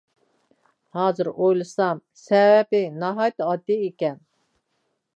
ھازىر ئويلىسام سەۋەبى ناھايىتى ئاددىي ئىكەن.